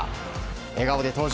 笑顔で登場。